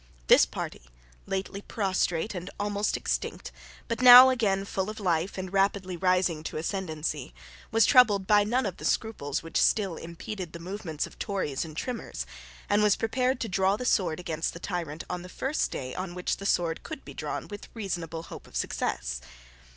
This party, lately prostrate and almost extinct, but now again full of life and rapidly rising to ascendency, was troubled by none of the scruples which still impeded the movements of Tories and Trimmers, and was prepared to draw the sword against the tyrant on the first day on which the sword could be drawn with reasonable hope of success.